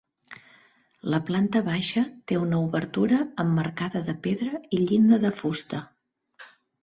La planta baixa té una obertura emmarcada de pedra i llinda de fusta.